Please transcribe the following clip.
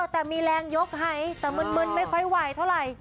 แต่มีแรงยกให้แต่มึนไม่ค่อยไหวเท่าไหร่